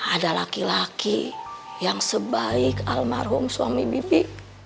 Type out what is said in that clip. ada laki laki yang sebaik almarhum suami bibi